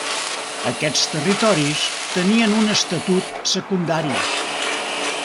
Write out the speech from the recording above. Aquests territoris tenien un estatut secundari.